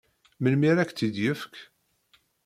Melmi ara ak-tt-id-yefk?